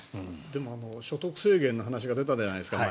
でも所得制限の話が前、出たじゃないですか。